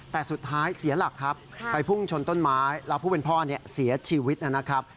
แต่สุดท้ายเสียหลักครับไปพุ่งชนต้นไม้แล้วผู้เป็นพ่อเนี่ยเสียชีวิตนะครับ